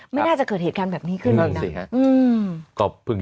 ไม่น่าจะเกิดเหตุการณ์แบบนี้ขึ้นอีกนะ